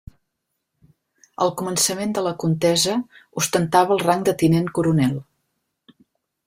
Al començament de la contesa ostentava el rang de Tinent coronel.